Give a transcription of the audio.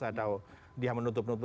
atau dia menutup nutup